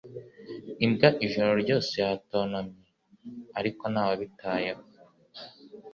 Imbwa ijoro ryose yatontomye ariko ntawabitayeho